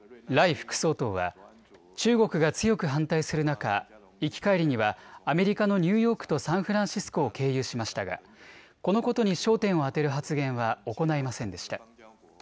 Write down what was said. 副総統は中国が強く反対する中、行き帰りにはアメリカのニューヨークとサンフランシスコを経由しましたがこのことに焦点をあてる発言は行いませんでした。